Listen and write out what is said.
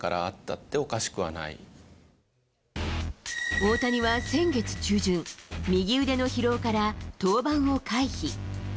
大谷は先月中旬、右腕の疲労から登板を回避。